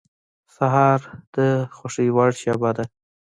سهار د خوښې وړ شېبه ده.